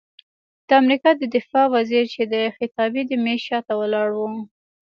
د امریکا د دفاع وزیر چې د خطابې د میز شاته ولاړ و،